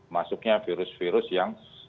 masuknya virus virus yang